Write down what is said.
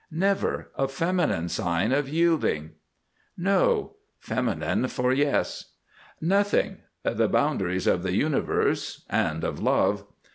NEVER! A feminine sign of yielding. NO. Feminine for Yes. NOTHING. The boundaries of the Universe and of Love.